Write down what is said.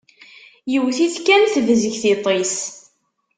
Yewwet-it kan tebzeg tiṭ-is.